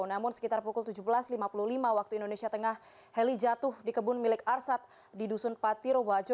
namun sekitar pukul tujuh belas lima puluh lima waktu indonesia tengah heli jatuh di kebun milik arsat di dusun patiru wajo